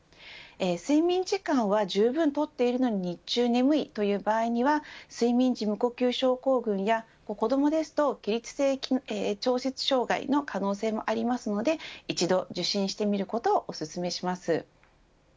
睡眠時間はじゅうぶんとっているのに日中眠いという場合には睡眠時無呼吸症候群や子どもですと起立性調節障害の可能性もありますので一度受診してみることをおすすめします。